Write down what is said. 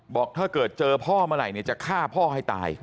บอกถ้าเกิดเจอพ่อเมื่อไหร่จะฆ่าพ่อให้ตาย